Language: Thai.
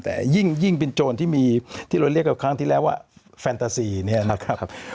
แต่ยิ่งเป็นโจรที่มีที่เราเรียกกับครั้งที่แล้วว่าแฟนตาซีเนี่ยนะครับ